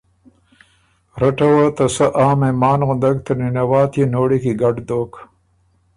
رټه وه ته سۀ عام مهمان غُندک ته نِنه واتيې نوړی کی ګډ دوک